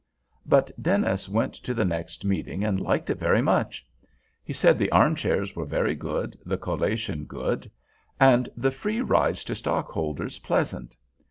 But Dennis went to the next meeting, and liked it very much. He said the armchairs were good, the collation good, and the free rides to stockholders pleasant.